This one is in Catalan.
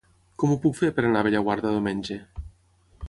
Com ho puc fer per anar a Bellaguarda diumenge?